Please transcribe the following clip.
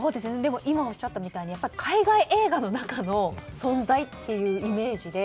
今おっしゃったみたいに海外映画の中の存在っていうイメージで。